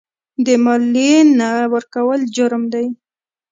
د مالیې نه ورکول جرم دی.